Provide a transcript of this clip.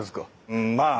うんまあ